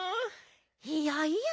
いやいや。